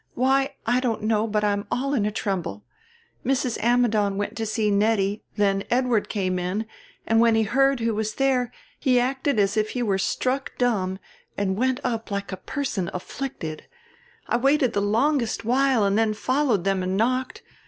Why I don't know but I'm all in a tremble. Mrs. Ammidon went to see Nettie, then Edward came in, and when he heard who was there he acted as if he were struck dumb and went up like a person afflicted. I waited the longest while and then followed them and knocked.